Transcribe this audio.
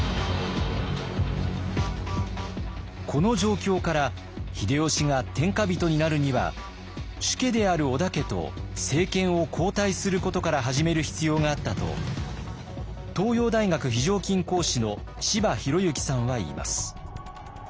この状況から秀吉が天下人になるには主家である織田家と政権を交代することから始める必要があったと東洋大学非常勤講師の柴裕之さんは言います。